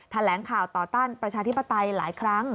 แถลงข่าวต่อต้านประชาธิปไตยหลายครั้ง